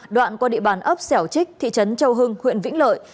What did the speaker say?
đoạn qua địa bàn ấp xẻo trích thị trấn châu hưng huyện vĩnh lợi